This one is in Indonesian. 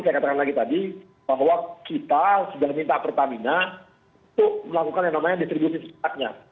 saya katakan lagi tadi bahwa kita sudah minta pertamina untuk melakukan yang namanya distribusi sepatnya